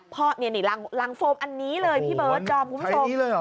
เป็นลังฟอมอันนี้เลยพี่เบิร์ทจอมคุ้มโฟม